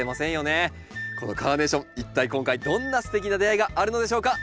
このカーネーション一体今回どんなすてきな出会いがあるのでしょうか。